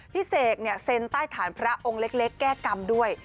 เสกเซ็นใต้ฐานพระองค์เล็กแก้กรรมด้วย